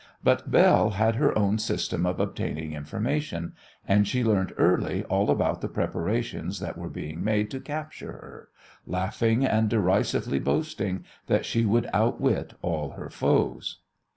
But Belle had her own system of obtaining information, and she learnt early all about the preparations that were being made to capture her, laughing and derisively boasting that she would outwit all her foes.